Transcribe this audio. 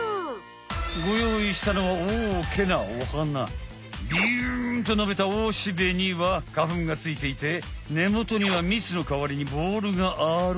ごよういしたのはビュンとのびたおしべには花ふんがついていてねもとにはみつのかわりにボールがある。